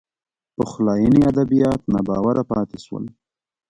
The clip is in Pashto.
پخلاینې ادبیات ناباوره پاتې شول